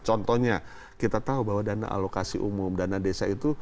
contohnya kita tahu bahwa dana alokasi umum dana desa itu